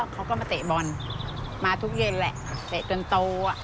เขาก็มาเตะบอลมาทุกเย็นแหละเตะจนโต